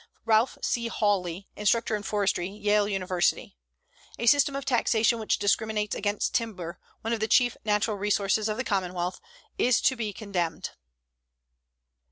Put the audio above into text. RALPH C. HAWLEY, Instructor in Forestry, Yale University: A system of taxation which discriminates against timber, one of the chief natural resources of the commonwealth, is to be condemned.